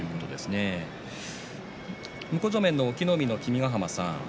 向正面の隠岐の海の君ヶ濱さん